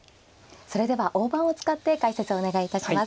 それでは大盤を使って解説をお願いいたします。